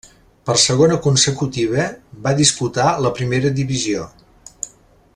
Per segona consecutiva, va disputar la Primera divisió.